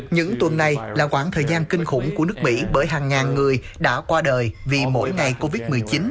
những tuần này là quãng thời gian kinh khủng của nước mỹ bởi hàng ngàn người đã qua đời vì mỗi ngày covid một mươi chín